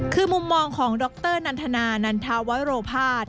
คือมุมมองของดรนันทนานันทาวโรภาส